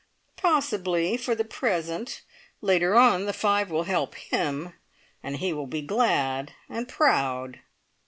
"Possibly for the present. Later on the five will help him, and he will be glad and proud."